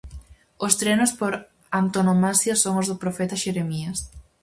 Os trenos por antonomasia son os do profeta Xeremías.